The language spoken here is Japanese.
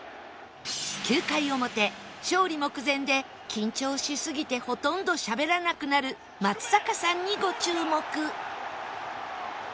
９回表勝利目前で緊張しすぎてほとんどしゃべらなくなる松坂さんにご注目